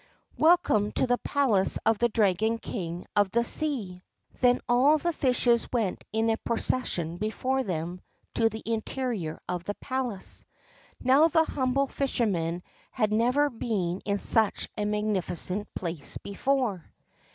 Welcome to the palace of the Dragon King of the Sea I ' 149 URASHIMA TARO Then all the fishes went in a procession before them to the interior of the palace. Now the humble fisherman had never been in such a magni ficent place before.